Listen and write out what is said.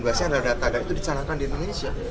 bandara bandara itu dicanakan di indonesia